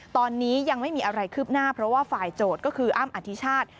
ตอนนี้ยังไม่มีอะไรคืบหน้าเพราะว่าฝ่ายโจทย์ก็คืออ้ำอธิชาติ